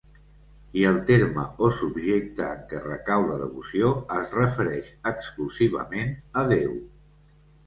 I el terme o subjecte en què recau la devoció es refereix exclusivament a Déu.